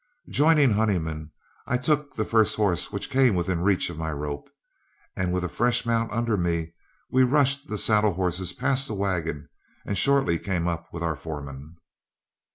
Joining Honeyman, I took the first horse which came within reach of my rope, and with a fresh mount under me, we rushed the saddle horses past the wagon and shortly came up with our foreman.